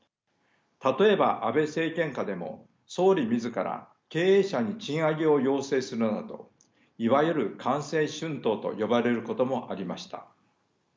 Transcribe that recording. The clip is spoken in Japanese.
例えば安倍政権下でも総理自ら経営者に賃上げを要請するなどいわゆる官製春闘と呼ばれることもありました。